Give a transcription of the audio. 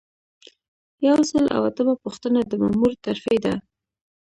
یو سل او اتمه پوښتنه د مامور ترفیع ده.